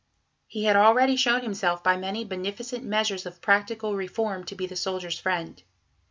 He had already shown himself by many beneficent measures of practical reform to be the Soldiers' Friend.